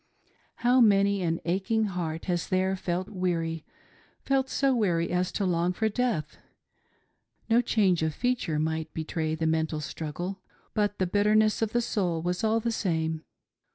How many an aching heart has there felt weary — felt so weary as to long for death. No change of feature might betray the mental struggle, but the bitterness of the soul was all the same.